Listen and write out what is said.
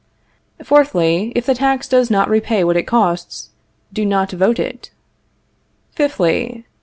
Fourthly. If the tax does not repay what it costs, do not vote it. Fifthly.